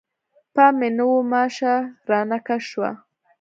پام مې نه و، ماشه رانه کش شوه.